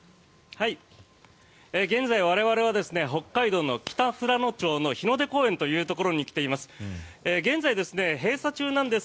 現在、我々は北海道の北富良野町の日の出公園というところに来ています。